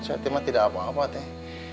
saya cuma tidak apa apa teh